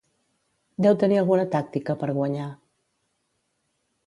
Deu tenir alguna tàctica per guanyar.